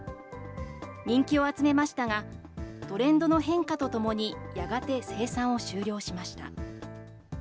人気を集めましたが、トレンドの変化とともに、やがて生産を終了しました。